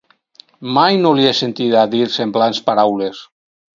Mai no li he sentit a dir semblants paraules.